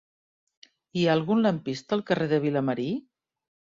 Hi ha algun lampista al carrer de Vilamarí?